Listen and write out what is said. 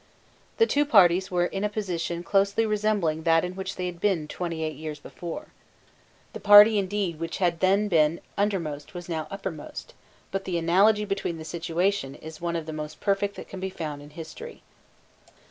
The two parties were now in a position closely resembling that in which they had been twenty eight years before. The party indeed which had then been undermost was now uppermost: but the analogy between the situations is one of the most perfect that can be found in history.